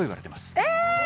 え